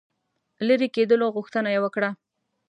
لیري کېدلو غوښتنه یې وکړه.